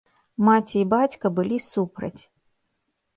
Маці і бацька былі супраць.